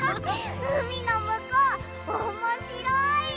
うみのむこうおもしろい！